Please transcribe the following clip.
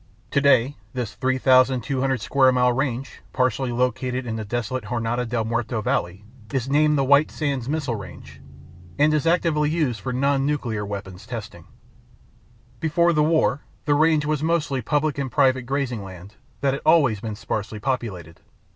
Today this 3,200 square mile range, partly located in the desolate Jornada del Muerto Valley, is named the White Sands Missile Range and is actively used for non nuclear weapons testing. Before the war the range was mostly public and private grazing land that had always been sparsely populated.